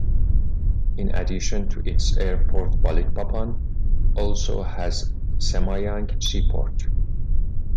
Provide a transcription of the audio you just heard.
In addition to its airport Balikpapan also has Semayang seaport.